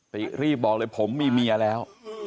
ติรีบบอกเลยผมมีเมียแล้ว